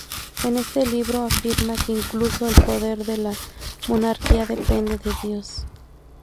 En este libro, afirma que incluso el poder de la monarquía depende de Dios.